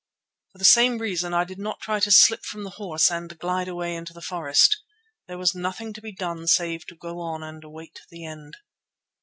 For the same reason I did not try to slip from the horse and glide away into the forest. There was nothing to be done save to go on and await the end.